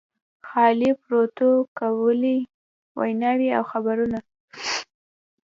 خالي پروتوکولي ویناوې او خبرونه.